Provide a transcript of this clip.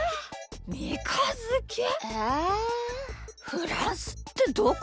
フランスってどこ？